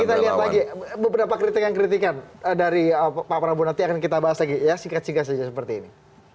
kita lihat lagi beberapa kritikan kritikan dari pak prabowo nanti akan kita bahas lagi ya singkat singkat saja seperti ini